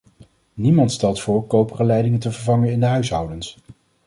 Niemand stelt voor koperen leidingen te vervangen in de huishoudens.